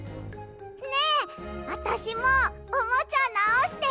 ねえあたしもおもちゃなおして！